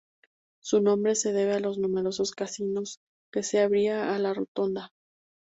Su nombre se debe a los numerosos casinos que se abrían a la rotonda.